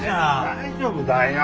大丈夫だよ。